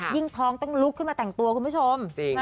ท้องต้องลุกขึ้นมาแต่งตัวคุณผู้ชม